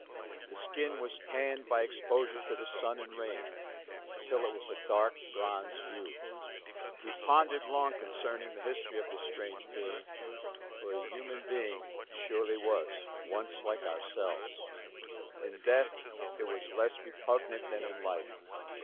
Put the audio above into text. The skin was tanned by exposure to sun and rain until it was a dark bronze hue. We pondered long concerning the history of this strange being; for a human being it surely was; once like ourselves. In death it was less repugnant than in life.